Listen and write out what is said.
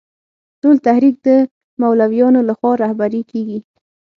ټول تحریک د مولویانو له خوا رهبري کېږي.